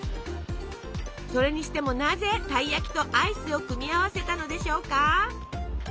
それにしてもなぜたい焼きとアイスを組み合わせたのでしょうか？